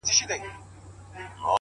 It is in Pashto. زه وايم دا،